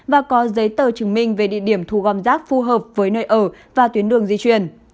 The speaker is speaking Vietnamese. và có giấy tờ chứng minh về địa điểm thu gom rác phù hợp với nơi ở và tuyến đường di chuyển